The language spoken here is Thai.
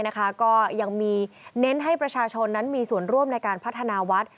ก็ยังมีเน้นให้ประชาชนนั้นมีส่วนร่วมในการพัฒนาวัด